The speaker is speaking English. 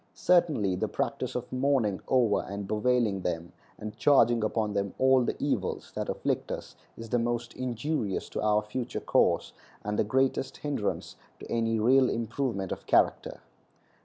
Certainly the practice of mourning over and bewailing them, and charging upon them all the evils that afflict us, is the most injurious to our future course, and the greatest hindrance to any real improvement of character.